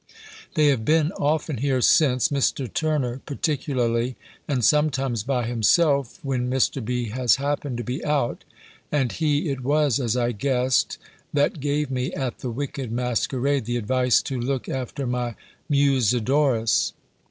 They have been often here since, Mr. Turner particularly: and sometimes by himself, when Mr. B. has happened to be out: and he it was, as I guessed, that gave me, at the wicked masquerade, the advice to look after my Musidorus.